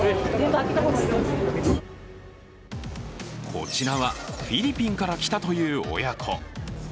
こちらはフィリピンから来たという親子。